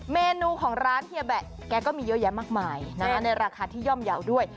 เมนูของร้านเฮียแบะแกก็มีเยอะแยะมากมายในราคาที่ย่อมเยาว์ด้วย